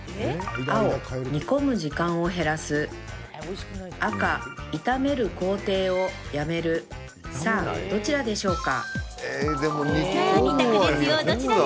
青・煮込む時間を減らす赤・炒める工程をやめるさあ、どちらでしょうか？